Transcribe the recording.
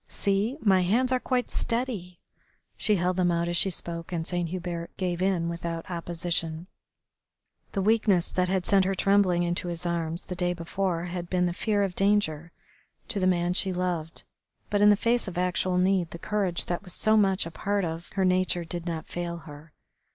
See! My hands are quite steady." She held them out as she spoke, and Saint Hubert gave in without opposition. The weakness that had sent her trembling into his arms the day before had been the fear of danger to the man she loved, but in the face of actual need the courage that was so much a part of her nature did not fail her.